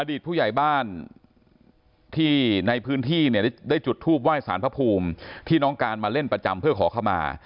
ผู้ใหญ่บ้านที่ในพื้นที่เนี่ยได้จุดทูปไห้สารพระภูมิที่น้องการมาเล่นประจำเพื่อขอเข้ามา